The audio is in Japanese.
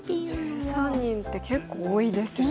１３人って結構多いですよね。